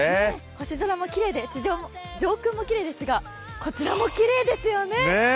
星空もきれいで、上空もきれいなんですが、こちらもきれいですよね。